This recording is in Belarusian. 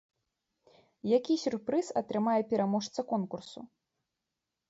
Які сюрпрыз атрымае пераможца конкурсу?